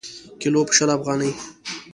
کیلـو په شل افغانۍ.